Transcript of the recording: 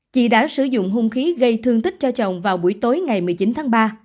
chị đã sử dụng hung khí gây thương tích cho chồng vào buổi tối ngày một mươi chín tháng ba